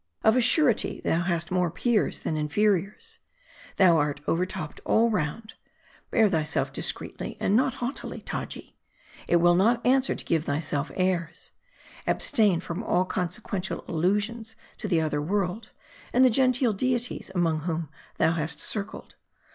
Of a surety, thou hast more peers than inferiors. Thou art overtopped all round. Bear thy self discreetly and not haughtily, Taji. It will not answer to give thyself airs. Abstain from all consequential allu sions to the other world, and the genteel deities among whom thou hast circled.